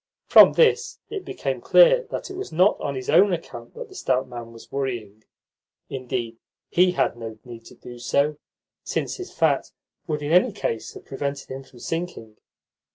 From this it became clear that it was not on his own account that the stout man was worrying. Indeed, he had no need to do so, since his fat would in any case have prevented him from sinking.